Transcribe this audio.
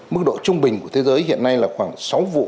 mức độ trung bình của thế giới hiện nay là khoảng sáu vụ